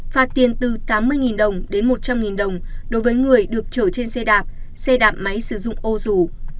một phạt tiền từ tám mươi đồng đến một trăm linh đồng đối với người được chở trên xe đạp xe đạp máy sử dụng ô rủ